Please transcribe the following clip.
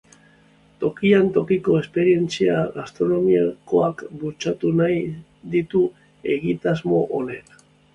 Tokian tokiko esperientzia gastronomikoak bultzatu nahi ditu egitasmoa honek.